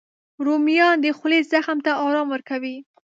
رومیان د خولې زخم ته ارام ورکوي